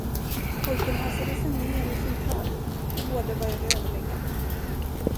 Pojken hasade sig ned ur sin tall och båda började överlägga.